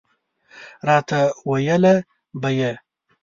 راته ویله به یې.